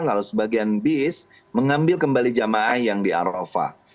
lalu sebagian bis mengambil kembali jemaah yang di arofah